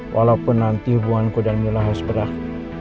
walaupun nanti hubunganku dan mila harus berat